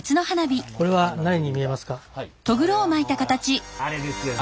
これはもうあれですよね。